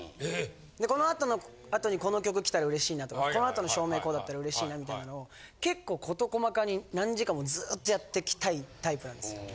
このあとにこの曲きたら嬉しいなとかこのあとの照明こうだったら嬉しいなみたいなのを結構事細かに何時間もずっとやってきたいタイプなんですよ。